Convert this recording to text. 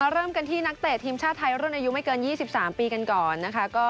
เริ่มกันที่นักเตะทีมชาติไทยรุ่นอายุไม่เกิน๒๓ปีกันก่อนนะคะ